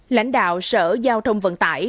lãnh đạo sở giao thông vận tải